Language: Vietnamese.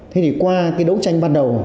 thế thì qua đấu tranh ban đầu